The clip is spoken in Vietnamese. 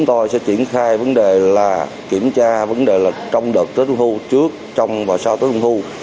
trước trong và sau tới trung thu